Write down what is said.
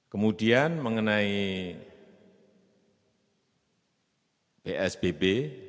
kemudian mengenai psbb